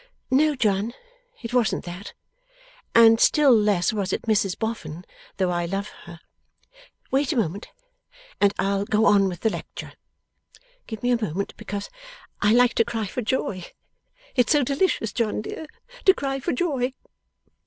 'No John, it wasn't that, and still less was it Mrs Boffin, though I love her. Wait a moment, and I'll go on with the lecture. Give me a moment, because I like to cry for joy. It's so delicious, John dear, to cry for joy.